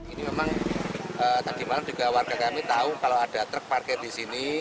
ini memang tadi malam juga warga kami tahu kalau ada truk parkir di sini